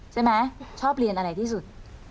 ใช่ไหมชอบเรียนอะไรที่สุด